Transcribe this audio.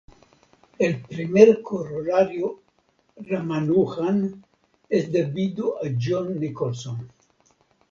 El Primer Corolario Ramanujan es debido a John Nicholson.